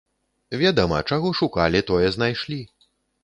Ведама, чаго шукалі, тое знайшлі.